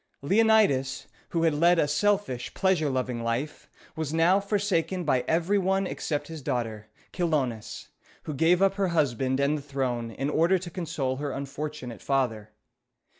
] Leonidas, who had led a selfish, pleasure loving life, was now forsaken by every one except his daughter, Chi lo´nis, who gave up her husband and the throne in order to console her unfortunate father.